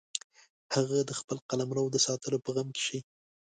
هغه د خپل قلمرو د ساتلو په غم کې شي.